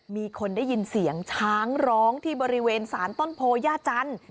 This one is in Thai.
มีคนได้ยินเสียงช้างร้องที่บริเวณสารต้นโพย่าจันทร์